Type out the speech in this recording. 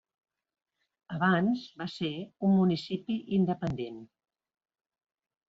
Abans va ser un municipi independent.